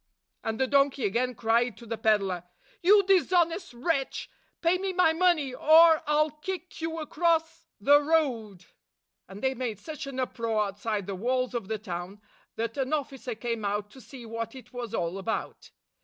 " And the donkey again cried to the peddler, "You dishonest wretch ! Pay me my money, or I 'll kick you across the road !" And they made such an uproar outside the walls of the town that an officer came out to see what it was all about.